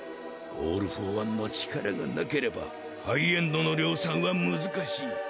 オール・フォー・ワンの力が無ければハイエンドの量産は難しい。